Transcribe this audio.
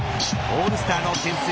オールスターのけん制